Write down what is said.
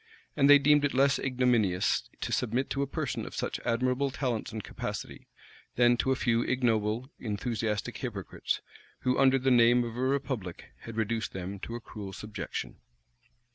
And they deemed it less ignominious to submit to a person of such admirable talents and capacity, than to a few ignoble, enthusiastic hypocrites, who, under the name of a republic, had reduced them to a cruel subjection.